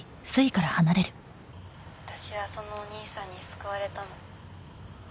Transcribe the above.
「私はそのお兄さんに救われたの」